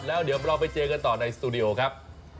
แล้วเดี๋ยวเราไปเจอกันต่อในสตูดิโอครับ